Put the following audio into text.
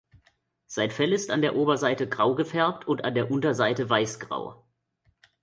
Sein Fell ist an der Oberseite grau gefärbt und an der Unterseite weißgrau.